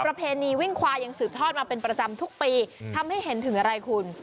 ประเพณีวิ่งควายยังสืบทอดมาเป็นประจำทุกปีทำให้เห็นถึงอะไรคุณ